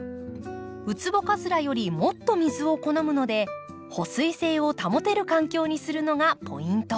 ウツボカズラよりもっと水を好むので保水性を保てる環境にするのがポイント。